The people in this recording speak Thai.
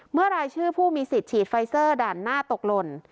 รายชื่อผู้มีสิทธิ์ฉีดไฟเซอร์ด่านหน้าตกหล่น